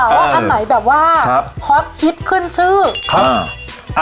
ว่าอันไหนแบบว่าฮอตฮิตขึ้นชื่อครับ